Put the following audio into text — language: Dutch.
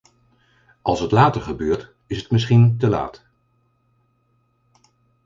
Als het later gebeurt, is het misschien te laat.